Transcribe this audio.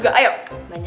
kau mau kemana